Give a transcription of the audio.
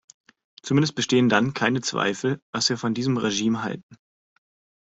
Zumindest bestehen dann keine Zweifel, was wir von diesem Regime halten.